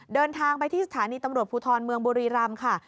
เดินทางไปที่สถานีตำรวจภูทรเมืองบุรีรำค่ะ